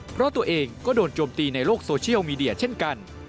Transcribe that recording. เพราะตัวเองก็โดนโจมตีในโลกโซเชียลมีเดียเช่นกัน